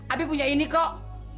abi punya ini kok